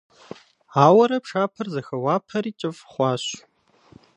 Ауэрэ пшапэр зэхэуапэри, кӀыфӀ хъуащ.